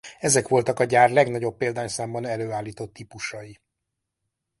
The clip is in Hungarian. Ezek voltak a gyár legnagyobb példányszámban előállított típusai.